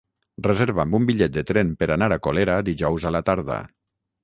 Reserva'm un bitllet de tren per anar a Colera dijous a la tarda.